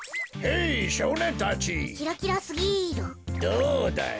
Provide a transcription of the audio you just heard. どうだい？